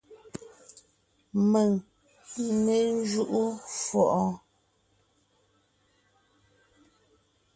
Mèŋ n né ńjúʼu fʉʼɔɔn!